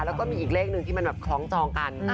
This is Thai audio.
แล้วก็มีอีกเลขหนึ่งที่มันแบบคล้องจองกัน